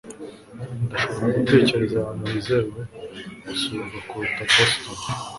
Ndashobora gutekereza ahantu hizewe gusurwa kuruta Boston.